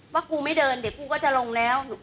ว่ากูไม่เดินเดี๋ยวกูก็จะลงแล้ว